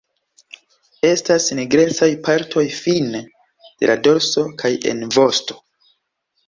Estas nigrecaj partoj fine de la dorso kaj en vosto.